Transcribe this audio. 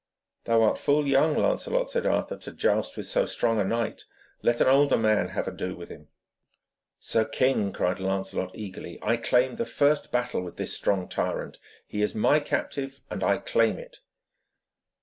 'Thou art full young, Lancelot,' said Arthur, 'to joust with so strong a knight. Let an older man have ado with him.' 'Sir king,' cried Lancelot eagerly, 'I claim the first battle with this strong tyrant. He is my captive, and I claim it.'